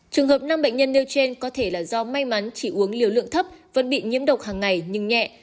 trường hợp năm bệnh nhân nêu trên có thể là do may mắn chỉ uống liều lượng thấp vẫn bị nhiễm độc hàng ngày nhưng nhẹ